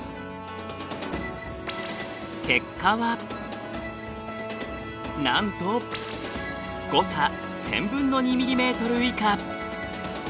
結果はなんと誤差１０００分の２ｍｍ以下。